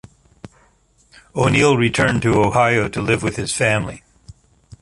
O'Neill returned to Ohio to live with his family.